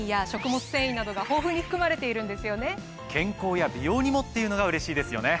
健康や美容にもっていうのがうれしいですよね。